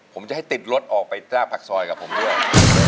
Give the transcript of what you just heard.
ผมจะให้ติดรถออกไปจากปากซอยกับผมด้วย